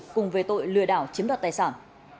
cùng về tội lừa đảo chiếm đoạt tài sản